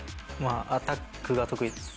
アタックが得意です。